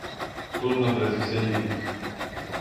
Тут наблизився й бідний.